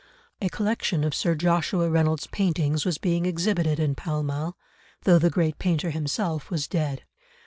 A collection of Sir Joshua Reynolds' paintings was being exhibited in Pall Mall, though the great painter himself was dead.